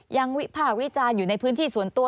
วิภาควิจารณ์อยู่ในพื้นที่ส่วนตัว